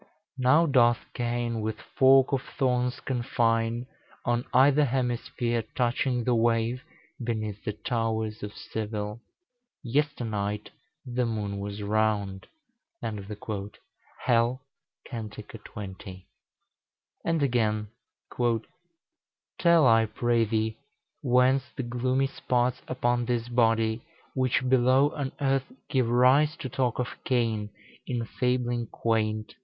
Now doth Cain with fork of thorns confine, On either hemisphere, touching the wave Beneath the towers of Seville. Yesternight The moon was round." Hell, cant. xx. And again, "... Tell, I pray thee, whence the gloomy spots Upon this body, which below on earth Give rise to talk of Cain in fabling quaint?"